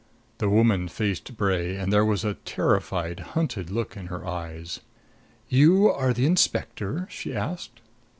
The woman faced Bray; and there was a terrified, hunted look in her eyes. "You are the inspector?" she asked.